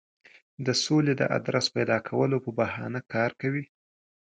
د سولې د آدرس پیدا کولو په بهانه کار کوي.